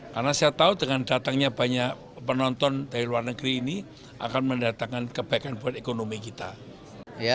karena saya tahu dengan datangnya banyak penonton dari luar negeri ini akan mendatangkan kebaikan buat ekonomi kita